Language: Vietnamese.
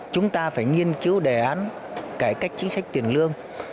chúng ta phải nghiên cứu đề án cải cách chính sách tiền lương